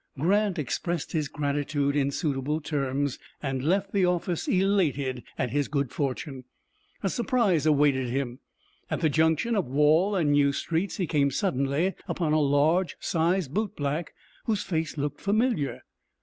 Grant expressed his gratitude in suitable terms, and left the office elated at his good fortune. A surprise awaited him. At the junction of Wall and New Streets he came suddenly upon a large sized bootblack, whose face looked familiar.